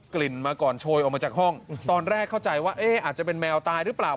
กลิ่นมาก่อนโชยออกมาจากห้องตอนแรกเข้าใจว่าเอ๊ะอาจจะเป็นแมวตายหรือเปล่า